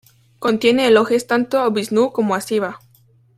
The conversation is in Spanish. Contiene elogios tanto a Visnú como a Sivá.